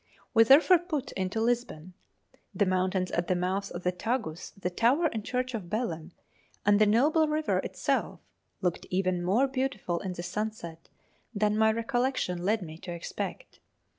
We therefore put into Lisbon. The mountains at the mouth of the Tagus, the tower and church of Belem, and the noble river itself looked even more beautiful in the sunset than my recollection led me to expect.